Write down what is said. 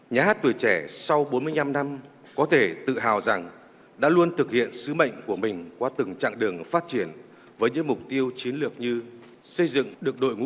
nhà hát tuổi trẻ sau bốn mươi năm năm có thể tự hào rằng đã luôn thực hiện sứ mệnh của mình qua từng chặng đường phát triển với những mục tiêu chiến lược như xây dựng được đội ngũ